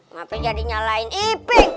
mampir jadi nyalain iping